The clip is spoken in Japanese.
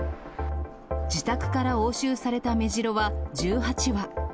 自宅から押収されたメジロは１８羽。